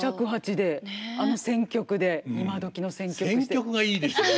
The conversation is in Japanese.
選曲がいいですよね。